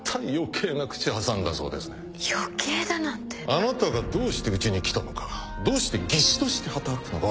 あなたがどうしてうちに来たのかどうして技師として働くのか